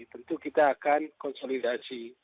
tentu kita akan konsolidasi